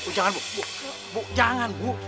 bu jangan bu bu jangan bu